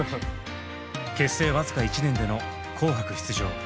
結成僅か１年での「紅白」出場。